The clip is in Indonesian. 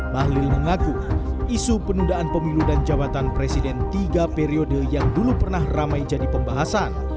bahlil mengaku isu penundaan pemilu dan jabatan presiden tiga periode yang dulu pernah ramai jadi pembahasan